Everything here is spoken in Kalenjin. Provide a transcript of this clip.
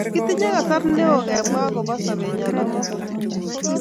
Kitinye kasar ne o kemwa akopo sobennyo ak magutik chok